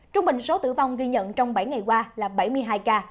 trung bình số tử vong ghi nhận trong bảy ngày qua là bảy mươi hai ca